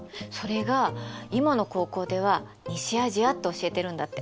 それが今の高校では西アジアって教えてるんだって。